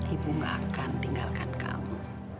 ibu gak akan tinggalkan kamu